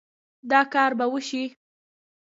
دا کار به وشي